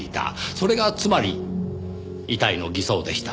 それがつまり遺体の偽装でした。